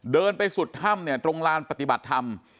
เดินไปสุดถ้ำเนี่ยตรงลานปฏิบัติธรรม